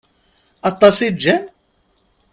Aṭas i ččan?